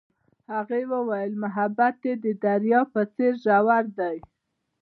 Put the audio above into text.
هغې وویل محبت یې د دریا په څېر ژور دی.